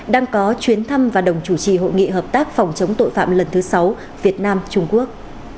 đang có chuyến thăm và đồng chủ trì hội nghị hợp tác phòng chống tội phạm lần thứ sáu việt nam trung quốc